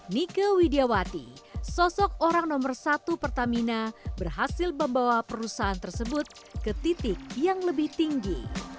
nike widiawati sosok orang nomor satu pertamina berhasil membawa perusahaan tersebut ke titik yang lebih tinggi